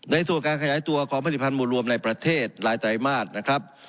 ในส่วนการขยายตัวของผลิตภัณฑ์หมู่รวมในประเทศรายจ่ายมาตรนะครับ